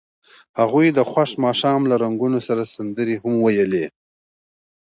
هغوی د خوښ ماښام له رنګونو سره سندرې هم ویلې.